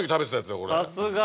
さすが。